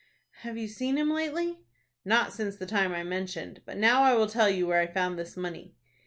"Have you seen him lately?" "Not since the time I mentioned. But now I will tell you where I found this money."